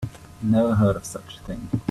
Never heard of such a thing.